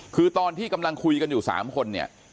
คือตอนที่กำลังคุยกันอยู่๓คนเนี่ย